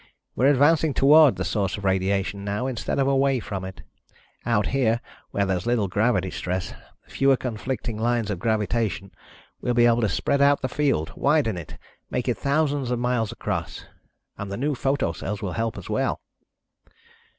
We're advancing toward the source of radiation now, instead of away from it. Out here, where there's little gravity stress, fewer conflicting lines of gravitation, we'll be able to spread out the field, widen it, make it thousands of miles across. And the new photo cells will be a help as well."